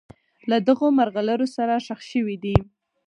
له دغو مرغلرو سره ښخ شوي دي.